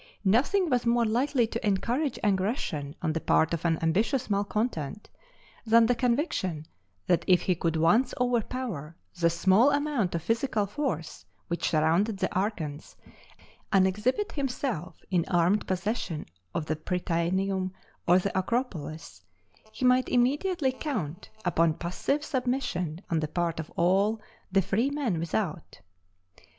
Nothing was more likely to encourage aggression on the part of an ambitious malcontent, than the conviction that if he could once overpower the small amount of physical force which surrounded the archons, and exhibit himself in armed possession of the Prytaneum or the Acropolis, he might immediately count upon passive submission on the part of all the freemen without.